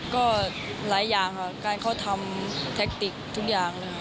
ก็หลายอย่างครับการเข้าทำแทคติกทุกอย่าง